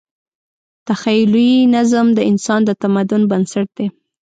تخیلي نظم د انسان د تمدن بنسټ دی.